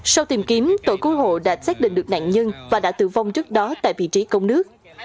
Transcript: sau tìm kiếm tội cứu hộ đã xác định được nạn nhân và đã tử vong trước đó tại vị trí cống nước